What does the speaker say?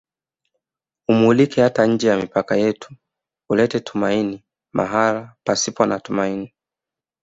Umulike hata nje ya mipaka yetu ulete tumaini mahala pasipo na tumaini